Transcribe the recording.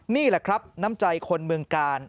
นี่แหละครับน้ำใจคนเมืองกาล